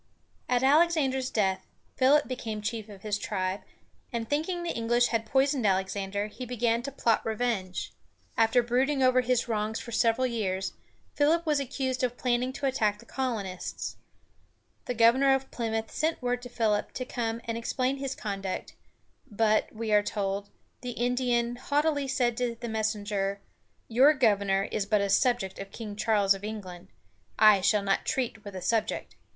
At Alexander's death, Philip became chief of his tribe; and thinking the English had poisoned Alexander, he began to plot revenge. After brooding over his wrongs for several years, Philip was accused of planning to attack the colonists. The governor of Plymouth sent word to Philip to come and explain his conduct, but, we are told, the Indian haughtily said to the messenger: "Your governor is but a subject of King Charles of England. I shall not treat with a subject.